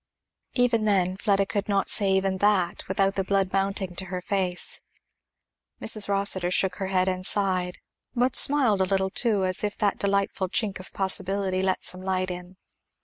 Even then Fleda could not say even that without the blood mounting to her face. Mrs. Rossitur shook her head and sighed; but smiled a little too, as if that delightful chink of possibility let some light in.